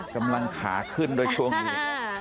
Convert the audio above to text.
กำลังขาขึ้นด้วยช่วงนี้